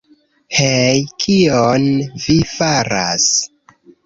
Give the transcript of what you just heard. Hej, kion vi faras?